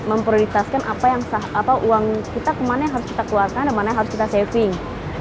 memprioritaskan apa yang uang kita kemana yang harus kita keluarkan dan mana yang harus kita saving